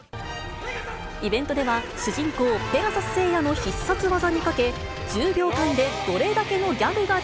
イベントでは主人公、ペガサス星矢の必殺技にかけ、１０秒間でどれだけのギャグがで